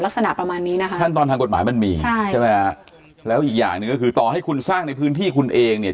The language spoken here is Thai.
ลักษณะประมาณนี้นะคะขั้นตอนทางกฎหมายมันมีใช่ใช่ไหมฮะแล้วอีกอย่างหนึ่งก็คือต่อให้คุณสร้างในพื้นที่คุณเองเนี่ย